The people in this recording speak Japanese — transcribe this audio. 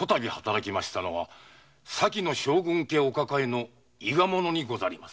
それは先の将軍家お抱えの伊賀者にござります。